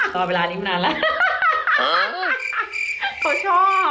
ต่อเวลานี้มานานแล้ว